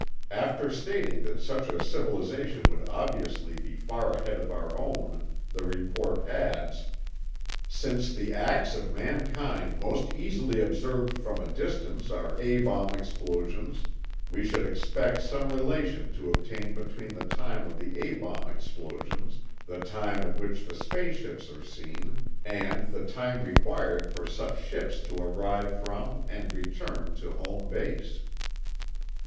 After stating that such a civilization would obviously be far ahead of our own, the report adds: Air Force Project "Saucer" December 30, 1949. "Since the acts of mankind most easily observed from a distance are A bomb explosions, we should expect some relation to obtain between the time of the A bomb explosions, the time at which the space ships are seen, and the time required for such ships to arrive from and return to home base."